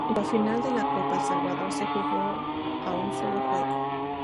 La final de la Copa El Salvador se jugó a un solo juego.